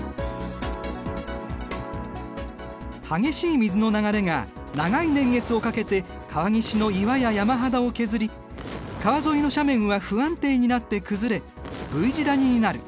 激しい水の流れが長い年月をかけて川岸の岩や山肌を削り川沿いの斜面は不安定になって崩れＶ字谷になる。